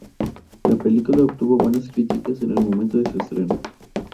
La película obtuvo muy buenas críticas en el momento de su estreno.